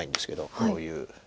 こういう。